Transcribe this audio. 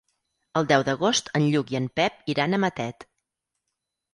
El deu d'agost en Lluc i en Pep iran a Matet.